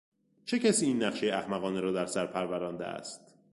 چه کسی این نقشهی احمقانه را در سر پرورانده است؟